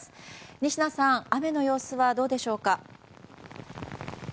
仁科さん、雨の様子はどうでしょうか。